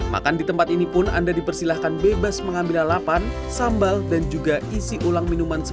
makan di tempat ini pun anda dipersilahkan bebas mengambil lalapan sambal dan juga isi ulang minuman